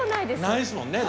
ないですもんね